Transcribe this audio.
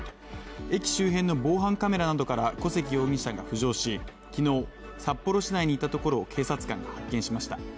駅周辺の防犯カメラなどから小関容疑者が浮上し、昨日、札幌市内にいたところを警察官が発見しました。